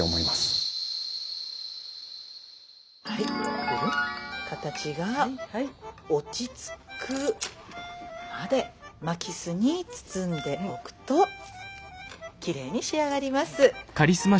はい形が落ち着くまで巻きすに包んでおくときれいに仕上がります。